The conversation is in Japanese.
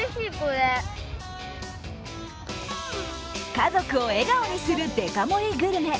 家族を笑顔にするデカ盛りグルメ。